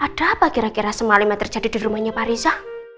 ada apa kira kira semalam yang terjadi di rumahnya pak riza